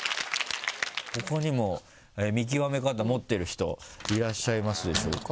他にも見極め方持ってる人いらっしゃいますでしょうか？